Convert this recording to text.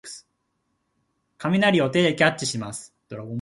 雷を手でキャッチします。